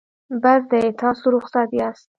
بس دی تاسو رخصت یاست.